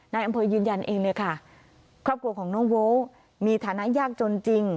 นายอำเภอยืนยันเองเลยค่ะครอบครัวของน้องโว๊มีฐานะยากจนจริง